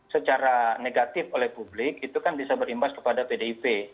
secara negatif oleh publik itu kan bisa berimbas kepada pdip